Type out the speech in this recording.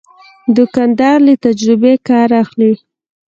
دوکاندار له تجربې کار اخلي.